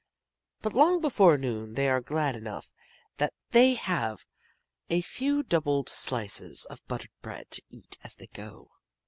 But long before noon they are glad enough that they have a few doubled slices of buttered bread to eat as they go.